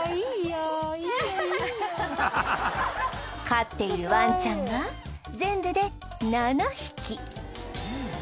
飼っているワンちゃんは全部で７匹